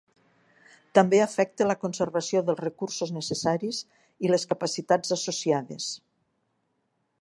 També afecta la conservació dels recursos necessaris i les capacitats associades.